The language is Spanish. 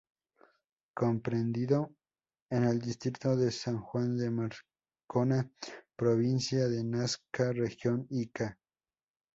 Comprendido en el Distrito de San Juan de Marcona, Provincia de Nazca, Región Ica.